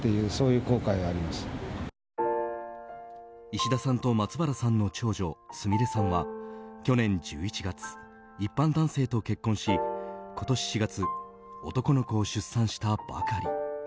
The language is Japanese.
石田さんと松原さんの長女すみれさんは去年１１月、一般男性と結婚し今年４月男の子を出産したばかり。